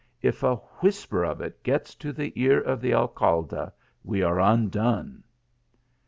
If a whisper of it gets to the ear of the Alcalde we are uudone